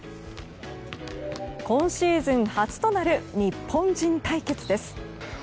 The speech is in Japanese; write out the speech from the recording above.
今シーズン初となる日本人対決です。